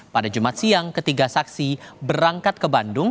pada jumat siang ketiga saksi berangkat ke bandung